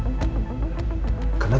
aku mau ketemu riki